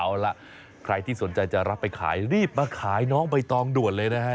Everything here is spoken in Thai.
เอาล่ะใครที่สนใจจะรับไปขายรีบมาขายน้องใบตองด่วนเลยนะฮะ